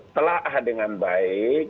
telah dengan baik